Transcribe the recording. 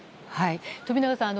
富永さん